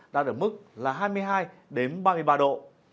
đạt ở mức là hai mươi hai đến ba mươi ba độ